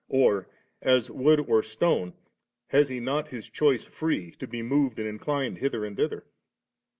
or, as wood or stone, has He not His choice free to be moved and incline hither and thither?'